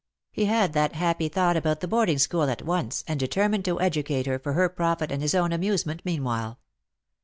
He had that happy thought about the boarding school at once, and determined to educate her, for her profit and his own amusement meanwhile.